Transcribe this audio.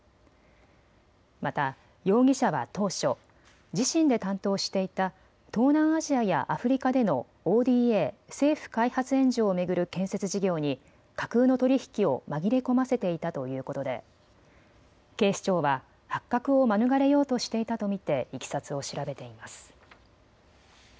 また容疑者は当初、自身で担当していた東南アジアやアフリカでのＯＤＡ・政府開発援助を巡る建設事業に架空の取り引きを紛れ込ませていたということで警視庁は発覚を免れようとしていたと見ていきさつを調べています。